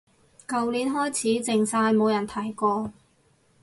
舊年開始靜晒冇人提過